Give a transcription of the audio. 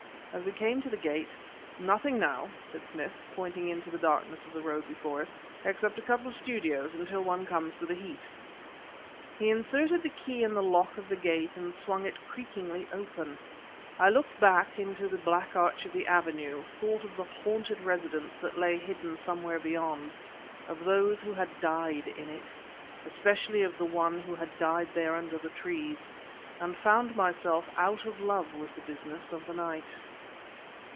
As we came to the gate: "Nothing now," said Smith, pointing into the darkness of the road before us, "except a couple of studios, until one comes to the Heath." He inserted the key in the lock of the gate and swung it creakingly open. I looked into the black arch of the avenue, thought of the haunted residence that lay hidden somewhere beyond, of those who had died in it especially of the one who had died there under the trees and found myself out of love with the business of the night.